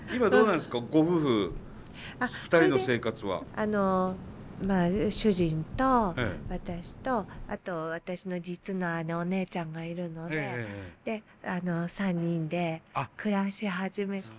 あの主人と私とあと私の実の姉お姉ちゃんがいるので３人で暮らし始めた。